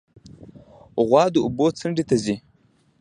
غوا د اوبو څنډې ته ځي.